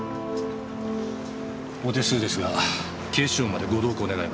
お手数ですが警視庁までご同行願います。